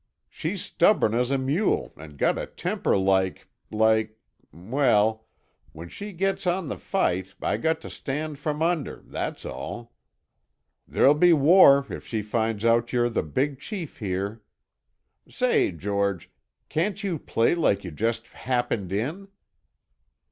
She's stubborn as a mule an' got a temper like—like—well, when she gets on the fight I got to stand from under, that's all. There'll be war if she finds out you're the big chief here. Say, George, can't you play like you just happened in?"